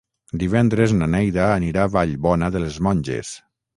Divendres na Neida anirà a Vallbona de les Monges.